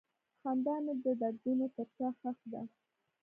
خندا مې د دردونو تر شا ښخ ده.